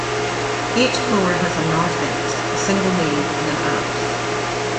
Each floor has a narthex, a single nave and an apse.